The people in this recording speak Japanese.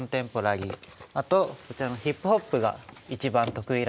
あとこちらのヒップホップが一番得意らしい。